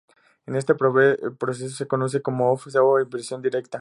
Este proceso se conoce como "Offset" o impresión directa.